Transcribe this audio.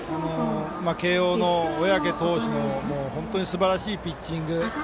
慶応の小宅投手の本当にすばらしいピッチング。